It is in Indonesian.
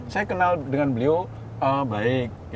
saya kenal dengan beliau baik